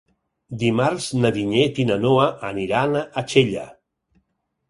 Dimarts na Vinyet i na Noa aniran a Xella.